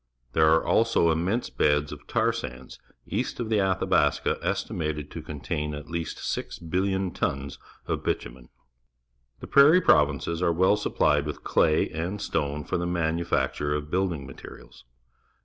There are also inmiense beds of tar sa nds east of the .\thabaska estimated to contain at least six billion tons of bitumen. The Prairie Provinces are well supplied with clav and s tone for the manufacture of building materials.